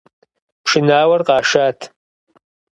Пшынауэр къашат.